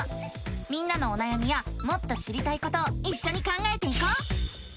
みんなのおなやみやもっと知りたいことをいっしょに考えていこう！